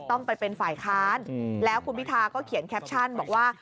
ต้องไปเป็นฝ่ายค้านแล้วคุณพิธาก็เขียนแคปชั่นบอกว่า